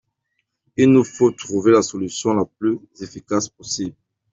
Il nous faut trouver la solution la plus efficace possible.